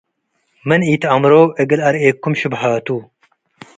ምን ኢተአምሮ እግል አርኤኩም ሽብሃቱ